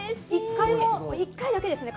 １回も１回だけですね